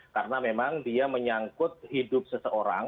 karena memang dia menyangkut hidup seseorang masa depan seseorang